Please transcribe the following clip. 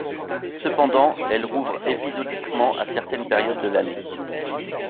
Cependant, elle rouvre épisodiquement à certaines périodes de l'année.